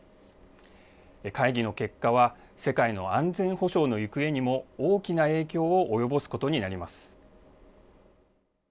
会議の結果は、世界の安全保障の行方にも大きな影響を及ぼすことになります。